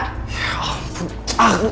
ya ampun jangan